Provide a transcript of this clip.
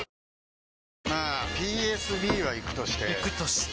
まあＰＳＢはイクとしてイクとして？